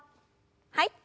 はい。